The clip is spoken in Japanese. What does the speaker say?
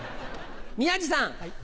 宮治さん。